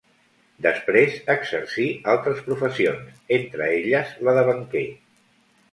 Després exercí, altres professions, entre elles la de banquer.